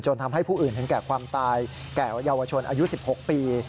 ทำให้ผู้อื่นถึงแก่ความตายแก่เยาวชนอายุ๑๖ปี